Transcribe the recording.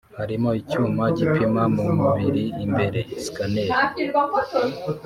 harimo icyuma gipima mu mubiri imbere (scanner)